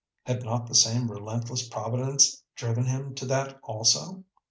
Had not the same relentless Providence driven him to that also?